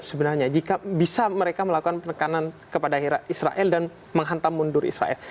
sebenarnya jika bisa mereka melakukan penekanan kepada israel dan menghantam mundur israel